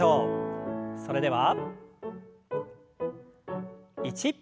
それでは１。